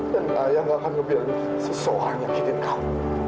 dan ayah nggak akan biarkan sesuatu yang nyakitin kamu